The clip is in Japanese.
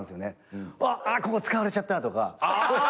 あっここ使われちゃったとか。